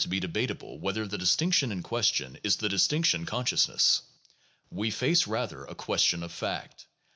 be debatable whether the distinction in question is the distinction consciousness. We face, rather, a question of fact.